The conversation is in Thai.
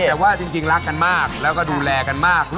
แต่ว่าจริงรักกันมากแล้วก็ดูแลกันมาก